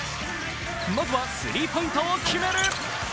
まずは、スリーポイントを決める。